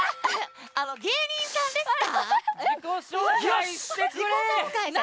芸人さんですか？